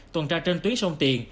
tuần tra trên tuyến sông tiền